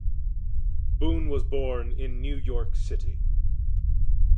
Boen was born in New York City.